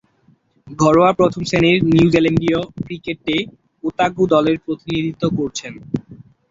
ঘরোয়া প্রথম-শ্রেণীর নিউজিল্যান্ডীয় ক্রিকেটে ওতাগো দলের প্রতিনিধিত্ব করেছেন।